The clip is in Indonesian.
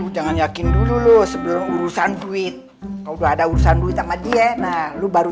jangan yakin dulu lo sebelum urusan duit kalau udah ada urusan duit sama dia nah lo baru